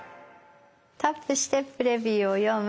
「タップしてプレビューを読む」。